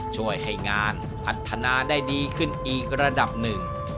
ช่วยให้งานพัฒนาได้ดีขึ้นอีกระดับหนึ่ง